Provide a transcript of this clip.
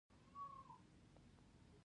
د دښمن په ليکه کتار توپونو کې دوړې پورته شوې.